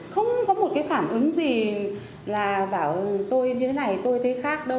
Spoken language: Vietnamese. không có một cái phản ứng gì là bảo tôi như thế này tôi thấy khác đâu